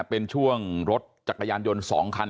เป็นช่วงรถจักรยานยนต์๒คัน